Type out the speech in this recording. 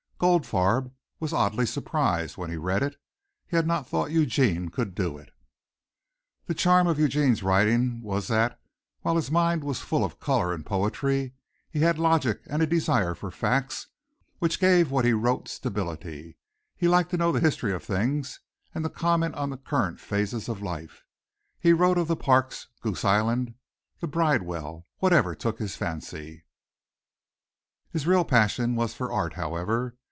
Goldfarb was oddly surprised when he read it. He had not thought Eugene could do it. The charm of Eugene's writing was that while his mind was full of color and poetry he had logic and a desire for facts which gave what he wrote stability. He liked to know the history of things and to comment on the current phases of life. He wrote of the parks, Goose Island, the Bridewell, whatever took his fancy. His real passion was for art, however.